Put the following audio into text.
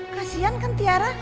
kasian kan tiara